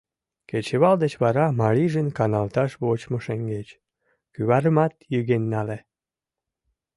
Кечывал деч вара, марийжын каналташ вочмо шеҥгеч, кӱварымат йыген нале.